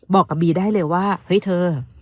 บอกกับบีได้เลยว่าเฮ้ยเธอ